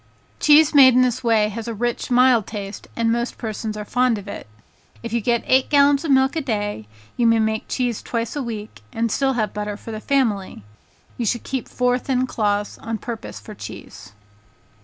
Cheese made in this way has a rich, mild taste, and most persons are fond of it. If you get eight gallons of milk a day, you may make cheese twice a week, and still have butter for the family. You should keep four thin cloths on purpose for cheese.